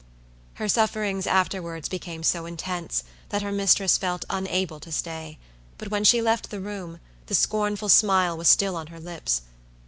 Her sufferings, afterwards, became so intense, that her mistress felt unable to stay; but when she left the room, the scornful smile was still on her lips.